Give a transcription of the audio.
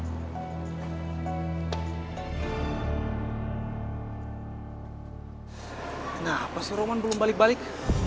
kenapa sih roman belum balik balik